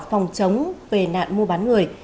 phòng chống về nạn mua bán người